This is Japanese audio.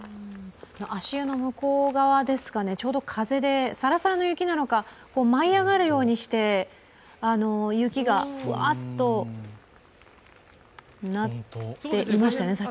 足湯の向こう側ですか、ちょうど風でサラサラの雪なのか、舞い上がるようにして雪がふわっとなっていましたね、さっき。